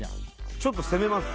ちょっと攻めます